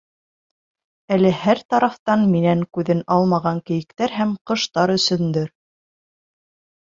Әле һәр тарафтан минән күҙен алмаған кейектәр һәм ҡоштар өсөндөр.